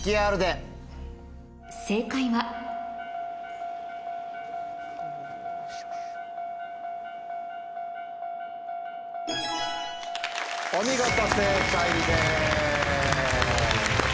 正解はお見事正解です。